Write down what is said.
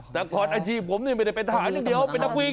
แต่ก่อนอาชีพผมนี่ไม่ได้เป็นทหารอย่างเดียวเป็นนักวิ่ง